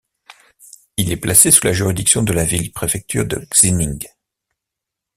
Il est placé sous la juridiction de la ville-préfecture de Xining.